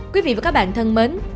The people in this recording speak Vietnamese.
quý vị và các bạn thân mến